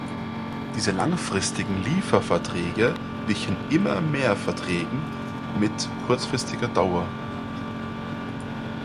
Diese langfristigen Lieferverträge wichen immer mehr Verträgen mit kurzfristiger Dauer.